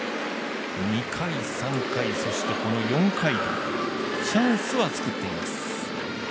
２回、３回、そして、この４回とチャンスは作っています。